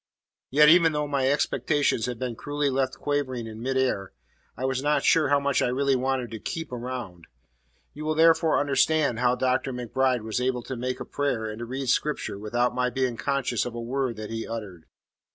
Yet even though my expectations had been cruelly left quivering in mid air, I was not sure how much I really wanted to "keep around." You will therefore understand how Dr. MacBride was able to make a prayer and to read Scripture without my being conscious of a word that he had uttered.